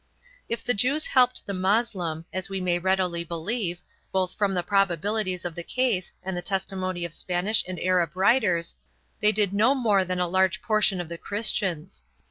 2 If the Jews helped the Moslem, as we may readily believe, both from the probabilities of the case and the testimony of Spanish and Arab writers,3 they did no more than a large por tion of the Christians.